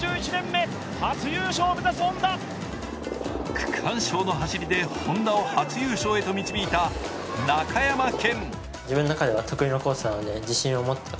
区間賞の走りでＨｏｎｄａを初優勝へと導いた中山顕。